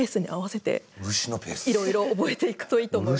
いろいろ覚えていくといいと思います。